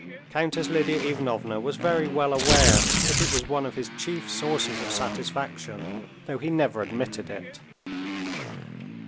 Countess Lidia Ivanovna was very well aware that it was one of his chief sources of satisfaction, though he never admitted it.